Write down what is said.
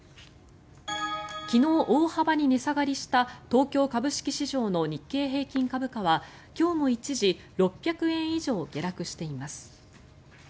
昨日、大幅に値下がりした東京株式市場の日経平均株価は今日も一時６００円以上下落しています。